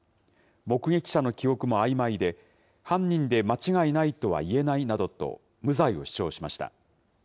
目撃者の記憶もあいまいで、犯人で間違いないとはいえないなどと、無罪を主張しました。